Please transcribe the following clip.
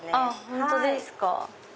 本当ですか。